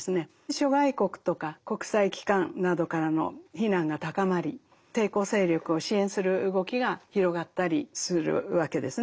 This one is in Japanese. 諸外国とか国際機関などからの非難が高まり抵抗勢力を支援する動きが広がったりするわけですね。